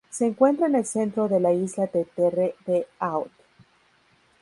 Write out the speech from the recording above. Se encuentra en el centro de la isla de Terre-de-Haut.